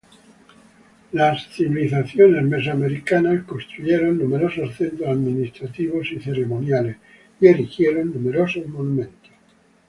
Las civilizaciones mesoamericanas construyeron numerosos centros administrativos y ceremoniales y erigieron numerosos monumentos.